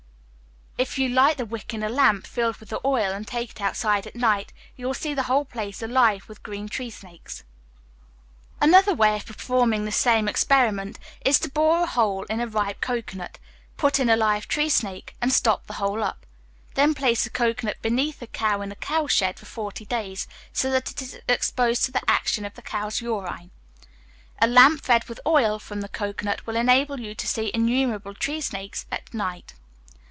If you light the wick in a lamp filled with the oil, and take it outside at night, you will see the whole place alive with green tree snakes. Another way of performing the same experiment is to bore a hole in a ripe cocoanut, put in a live tree snake, and stop the hole up. Then place the cocoanut beneath a cow in a cowshed for forty days, so that it is exposed to the action of the cow's urine. A lamp fed with oil made from the cocoanut will enable you to see innumerable tree snakes at night.